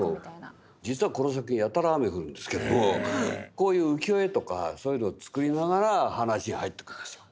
実はこの作品やたら雨が降るんですけどもこういう浮世絵とかそういうのを作りながら話に入っていく。